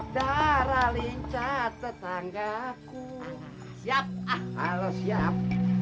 darah lincah tetangga aku siap ah halo siap